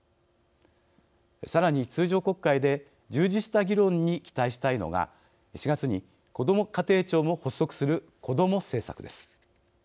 さらに、通常国会で充実した議論に期待したいのが４月にこども家庭庁も発足する子ども政策です。